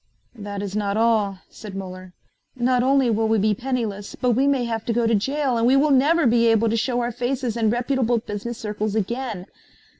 "That is not all," said Muller: "not only will we be penniless, but we may have to go to jail and we will never be able to show our faces in reputable business circles again.